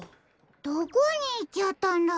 どこにいっちゃったんだろ？